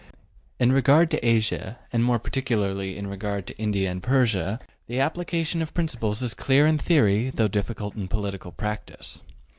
In regard to Asia, and more particularly in regard to India and Persia, the application of principles is clear in theory though difficult in political practice.